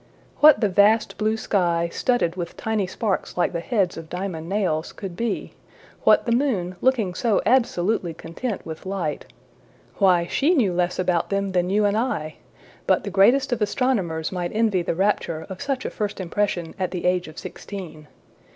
What the vast blue sky, studded with tiny sparks like the heads of diamond nails, could be; what the moon, looking so absolutely content with light why, she knew less about them than you and I! but the greatest of astronomers might envy the rapture of such a first impression at the age of sixteen.